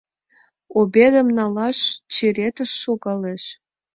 Обедым налаш черетыш шогалеш.